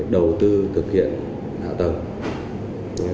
đầu tư thực hiện hạ tầng